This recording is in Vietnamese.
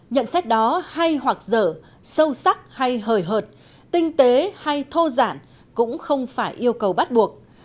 nhận xét đó hay hoặc dở sâu sắc hay hời hợt tinh tế hay thô giản cũng không phải yêu cầu bắt buộc